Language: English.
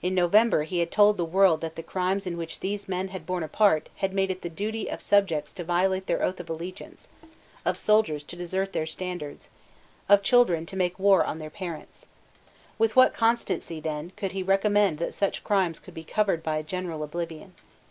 In November he had told the world that the crimes in which these men had borne a part had made it the duty of subjects to violate their oath of allegiance, of soldiers to desert their standards, of children to make war on their parents. With what consistency then could he recommend that such crimes should be covered by a general oblivion?